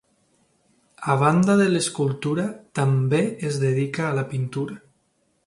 A banda de l'escultura, també es dedica a la pintura.